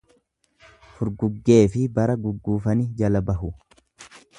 Furguggeefi bara gugguufani jala bahu.